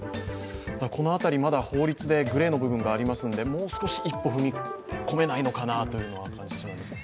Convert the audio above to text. この辺り、まだ法律でグレーの部分がありますのでもう少し一歩踏み込めないのかなというのは感じてしまいますね。